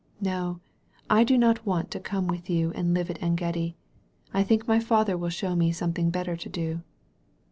No, I do not want to come with you and live at Engedi. I think my Father will show me something better to do."